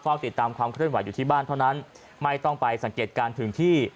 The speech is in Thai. ติดตามความเคลื่อนไหวอยู่ที่บ้านเท่านั้นไม่ต้องไปสังเกตการณ์ถึงที่